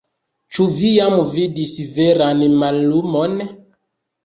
Ĉu vi jam vidis veran mallumon?